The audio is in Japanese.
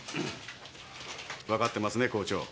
分かってますね校長。